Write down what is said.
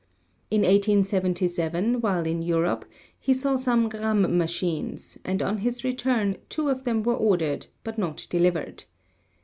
In 1877 while in Europe he saw some Gramme machines, and on his return two of them were ordered but not delivered.